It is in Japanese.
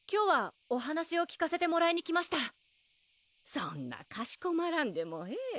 そんなかしこまらんでもええ